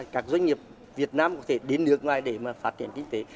các doanh nghiệp việt nam có thể đến nước ngoài để mà phát triển kinh tế